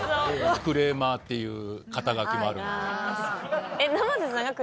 「クレーマー」っていう肩書もあるので。